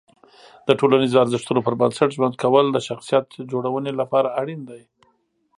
د ټولنیزو ارزښتونو پر بنسټ ژوند کول د شخصیت جوړونې لپاره اړین دي.